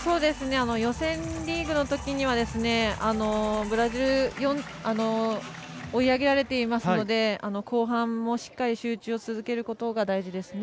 予選リーグのときにはブラジルに追い上げられていますので後半もしっかり集中を続けることが大事です。